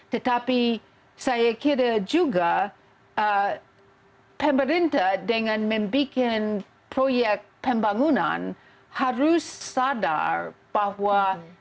tetapi saya kira juga pemerintah dengan membuat proyek pembangunan harus sadar bahwa